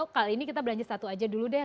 kali ini kita belanja satu aja dulu deh